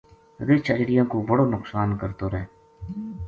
رچھ اجڑیاں کو بڑو نقصان کرتو رہ